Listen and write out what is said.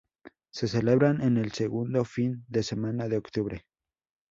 Se celebran en el segundo fin de semana de octubre.